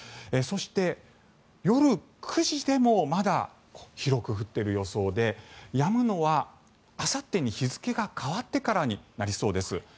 そして、夜９時でもまだ広く降っている予想でやむのはあさってに日付が変わってからになりそうです。